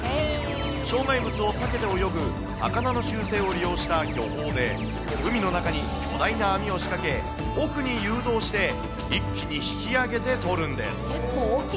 障害物を避けて泳ぐ魚の習性を利用した漁法で、海の中に巨大な網を仕掛け、奥に誘導して、一気に引き上げて取るんです。